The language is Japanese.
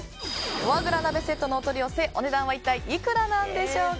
フォアグラ鍋セットのお取り寄せお値段は一体いくらでしょうか。